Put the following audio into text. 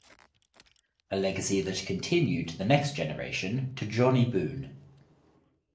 A legacy that continued the next generation to Jonnie Boone.